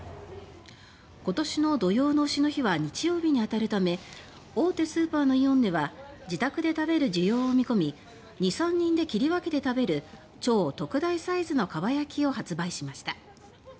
ことしの土用の丑の日は日曜日にあたるため大手スーパーのイオンでは自宅で食べる需要を見込み２３人で切り分けて食べる超特大サイズのかば焼きを発売しました。